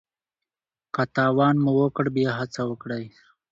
که تاوان مو وکړ بیا هڅه وکړئ.